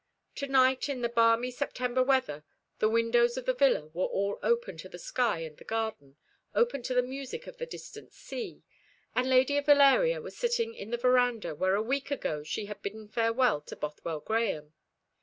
To night, in the balmy September weather, the windows of the villa were all open to the sky and the garden, open to the music of the distant sea, and Lady Valeria was sitting in the verandah where a week ago she had bidden farewell to Bothwell Grahame.